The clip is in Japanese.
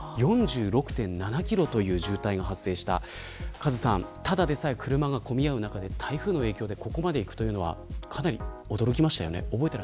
カズさん、ただでさえ車が混み合う中で台風の影響で、ここまでいくというのはかなり驚きましたね。